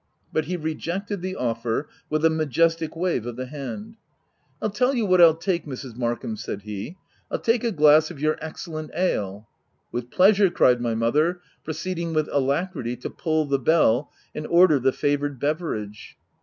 But he rejected the offer, with a majestic wave of the hand. " I'll tell you what I'll take, Mrs. Markham," said he: * I'll take a glass of your excellent x ale/' " With pleasure !" cried my mother, proceed OF WILDFELL HALL. 197 ing with alacrity to pull the bell and order the favoured beverage.